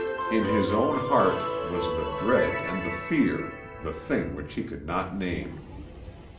In his own heart was the dread and the fear, the thing which he could not name.